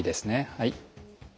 はい。